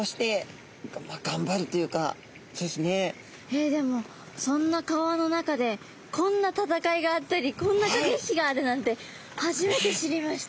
えっでもそんな川の中でこんな戦いがあったりこんなかけ引きがあるなんて初めて知りました。